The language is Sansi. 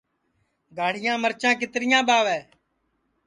گاڑِھیاں مِرچاں کِترِیاں ٻاہوے